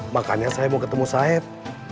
makanya saya mau ketemu said